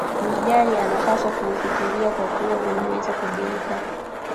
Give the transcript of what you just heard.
lijari anapaswa kuufikiria kwa kuwa unaweza kugeuka